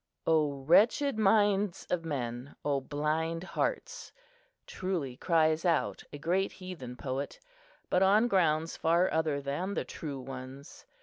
"O wretched minds of men! O blind hearts!" truly cries out a great heathen poet, but on grounds far other than the true ones.